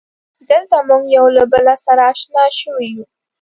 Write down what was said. دلته مونږ یو له بله سره اشنا شوي یو.